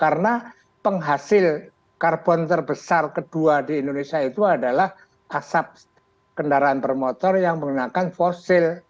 karena penghasil karbon terbesar kedua di indonesia itu adalah asap kendaraan bermotor yang menggunakan fosil